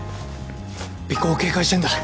尾行を警戒してんだ。